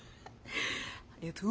ありがとう。